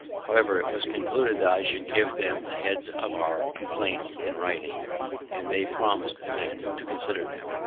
However, it was concluded that I should give them the heads of our complaints in writing, and they promis'd then to consider them.